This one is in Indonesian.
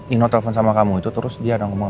ino telepon sama kamu itu terus dia ada ngomong